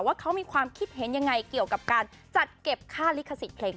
ว่าเขามีความคิดเห็นยังไงเกี่ยวกับการจัดเก็บค่าลิขสิทธิ์เพลง